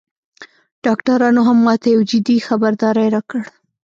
ډاکترانو هم ماته یو جدي خبرداری راکړ